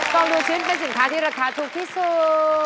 องดูชิ้นเป็นสินค้าที่ราคาถูกที่สุด